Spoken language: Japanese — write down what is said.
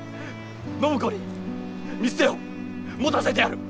暢子に店を持たせてやる！